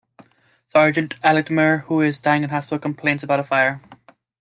Sergeant Altameyer, who is dying in a hospital, complains about a fire.